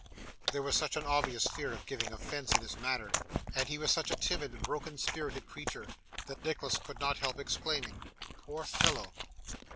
There was such an obvious fear of giving offence in his manner, and he was such a timid, broken spirited creature, that Nicholas could not help exclaiming, 'Poor fellow!